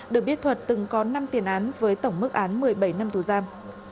được biết thuật từng có năm tiền án với tổng mức án một mươi bảy năm tù giam